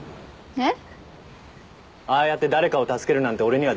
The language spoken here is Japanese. えっ？